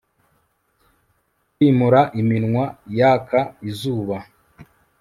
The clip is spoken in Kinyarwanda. Kwimura iminwa yaka izuba